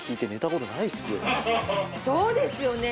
そうですよね。